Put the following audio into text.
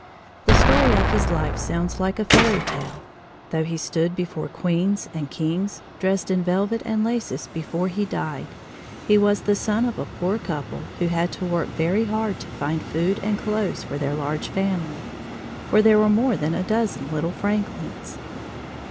The story of his life sounds like a fairy tale. Though he stood before queens and kings, dressed in velvet and laces, before he died, he was the son of a poor couple who had to work very hard to find food and clothes for their large family for there were more than a dozen little Franklins!